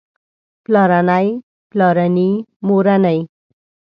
پلارنی پلارني مورنۍ